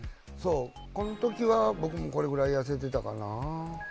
この時は僕もこれぐらい痩せていたかな。